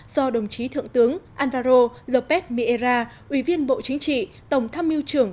do đồng chí thượng tướng alvaro lópez miera ủy viên bộ chính trị tổng tham mưu trưởng